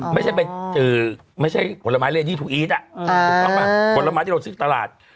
ไม่ใช่ผลไม้เรียนที่ทุกอีสอ่ะผลไม้ที่โดนซึกตลาด